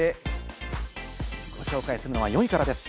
ご紹介するのは４位です。